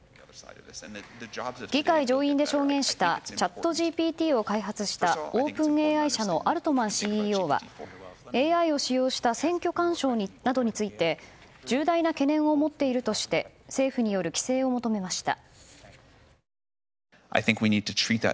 議会上院で証言したチャットＧＰＴを開発したオープンＡＩ社のアルトマンＣＥＯはＡＩを使用した選挙干渉などについて重大な懸念を持っているとして政府による規制を求めました。